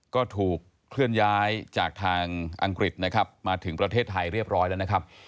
ก็ถูกเคลื่อนย้ายจากทางอังกฤษนะครับมาถึงประเทศไทยเรียบร้อยแล้วนะครับ